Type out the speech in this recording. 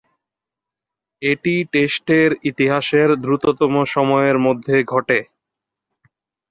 এটি টেস্টের ইতিহাসের দ্রুততম সময়ের মধ্যে ঘটে।